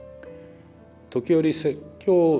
時折説教。